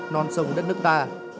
non sông đất nước ta